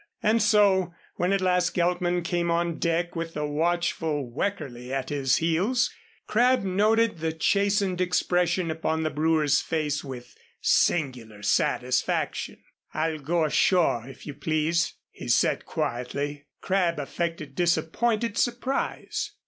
And so, when at last Geltman came on deck with the watchful Weckerly at his heels, Crabb noted the chastened expression upon the brewer's face with singular satisfaction. "I'll go ashore, if you please," he said, quietly. Crabb affected disappointed surprise.